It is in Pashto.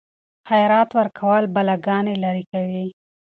خیرات ورکول بلاګانې لیرې کوي.